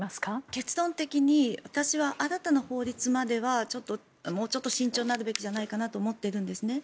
結論的に私は新たな法律まではもうちょっと慎重になるべきじゃないかなと思っているんですね。